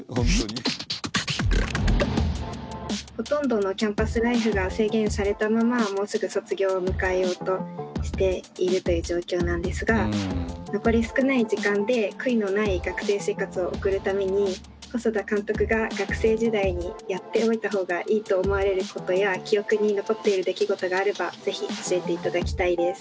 ほとんどのキャンパスライフが制限されたままもうすぐ卒業を迎えようとしているという状況なんですが残り少ない時間で悔いのない学生生活を送るために細田監督が学生時代にやっておいた方がいいと思われることや記憶に残っている出来事があればぜひ教えて頂きたいです。